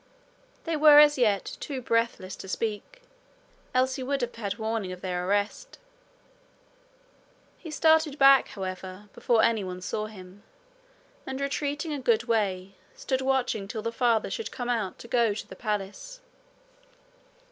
They were as yet too breathless to speak, else he would have had warning of their arrest. He started back, however, before anyone saw him, and retreating a good way, stood watching till the father should come out to go to the palace.